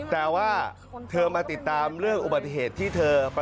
แล้วถ้าลุงจะกดทำไมลุงไม่มาเฝ้า